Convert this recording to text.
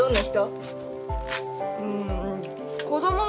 うん。